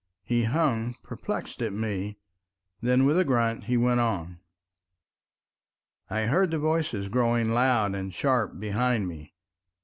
He hung perplexed at me. Then with a grunt he went on. I heard the voices growing loud and sharp behind me.